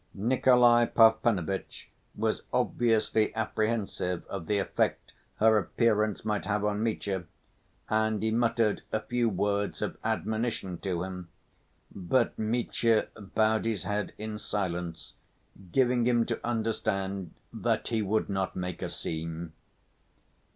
Nikolay Parfenovitch was obviously apprehensive of the effect her appearance might have on Mitya, and he muttered a few words of admonition to him, but Mitya bowed his head in silence, giving him to understand "that he would not make a scene."